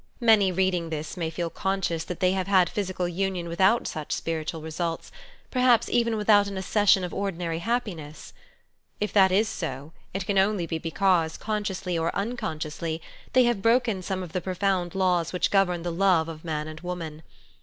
Many reading this may feel conscious that they have had physical union without such spiritual results, perhaps even without an accession of ordinary hap piness. If that is so, it can only be because, con sciously or unconsciously, they have broken some of the profound laws which govern the love of man and woman.